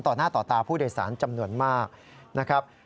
ต่อหน้าต่อกว่าประดาษผู้โดยสารจำนวนมากนะครับ